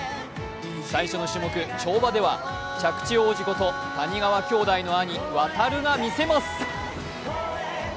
最初の種目・跳馬では着地王子こと谷川兄弟の兄・航がみせます。